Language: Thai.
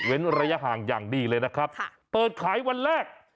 ระยะห่างอย่างดีเลยนะครับเปิดขายวันแรก